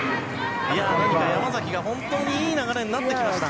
山崎が本当にいい流れになってきました。